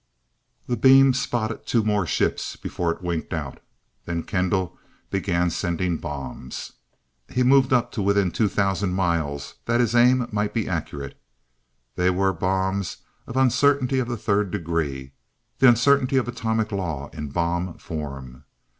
The beam spotted two more ships before it winked out. Then Kendall began sending bombs. He moved up to within 2000 miles that his aim might be accurate. They were bombs of "Uncertainty of the Third Degree," the Uncertainty of atomic law in bomb form.